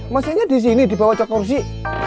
mesinnya disini di bawah coklat kursi